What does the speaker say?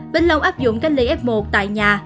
vĩnh long áp dụng cách ly f một tại nhà